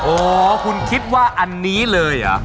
อ๋อคุณคิดว่าอันนี้เลยเหรอ